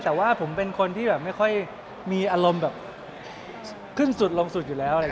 แต่ว่าผมเป็นคนที่แบบไม่ค่อยมีอารมณ์แบบขึ้นสุดลงสุดอยู่แล้ว